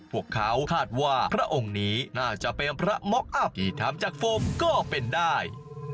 พวกเขาคาดว่าพระองค์นี้น่าจะเป็นพระม็อกอัพที่ทำจากโฟมก็เป็นได้